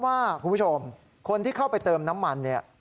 คุณผู้ชมคนที่เข้าไปเติมน้ำมันเนี่ย